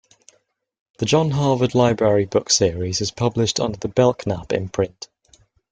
The John Harvard Library book series is published under the Belknap imprint.